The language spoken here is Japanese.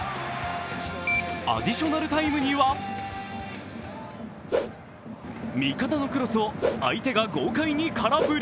アディショナルタイムには味方のクロスを相手が豪快に空振り。